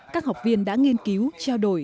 các học viên đã nghiên cứu trao đổi